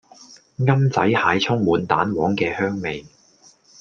奄仔蟹充滿蛋黃嘅香味